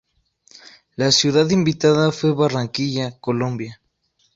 La ciudad invitada fue Barranquilla, Colombia.